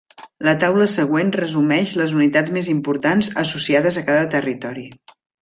La taula següent resumeix les unitats més importants, associades a cada territori.